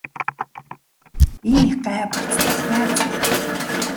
Энэ их гай барцдаас яаж салах билээ?